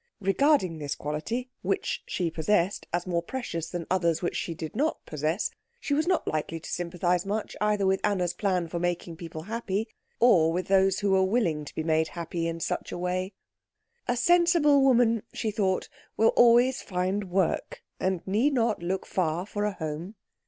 Regarding this quality, which she possessed, as more precious than others which she did not possess, she was not likely to sympathise much either with Anna's plan for making people happy, or with those who were willing to be made happy in such a way. A sensible woman, she thought, will always find work, and need not look far for a home.